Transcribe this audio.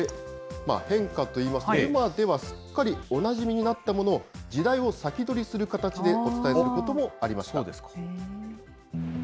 変化といいますと、今ではすっかりおなじみになったものを、時代を先取りする形でお伝えすることもありました。